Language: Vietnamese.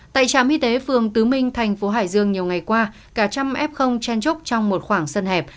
tại trạm y tế phường tứ minh thành phố hải dương nhiều ngày qua cả trạm ép không chen chúc trong một khoảng sân hẹp